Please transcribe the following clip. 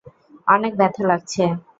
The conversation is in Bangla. অনেক ব্যথা লাগছে।